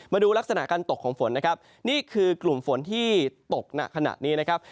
มาดูลักษณะการตกของฝนนะครับนี่คือกลุ่มฝนที่ตกหนักขณะนี้นะครับ